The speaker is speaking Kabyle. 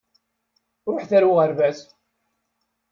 Ṛuḥet ar uɣerbaz!